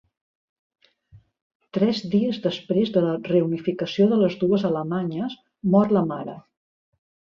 Tres dies després de la reunificació de les dues alemanyes, mor la mare.